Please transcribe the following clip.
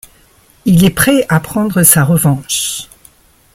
Il est prêt à prendre sa revanche.